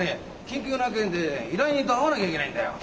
緊急な件で依頼人と会わなきゃいけないんだよ。